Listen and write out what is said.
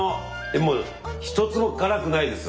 でも一つも辛くないです。